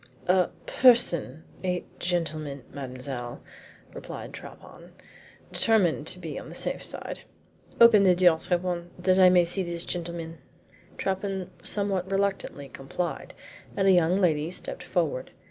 "A person a gentleman, mademoiselle," replied Trappon, determined to be on the safe side. "Open the door, Trappon, that I may see this gentleman." Trappon somewhat reluctantly complied, and a young lady stepped forward.